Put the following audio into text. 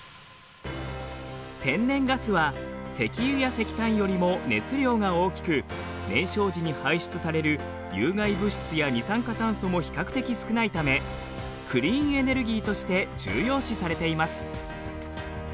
天然ガスは石油や石炭よりも熱量が大きく燃焼時に排出される有害物質や二酸化炭素も比較的少ないためクリーンエネルギーとして重要視されています。